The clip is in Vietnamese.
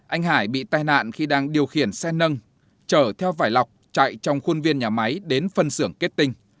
anh hải bị tai nạn khi đang điều khiển xe nâng chở theo vải lọc chạy trong khuôn viên nhà máy đến phân xưởng kết tinh